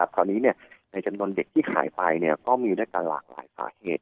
คราวนี้ในจังหลวงเด็กที่ขายไปเนี่ยก็มีได้การหลากหลายประเหตุ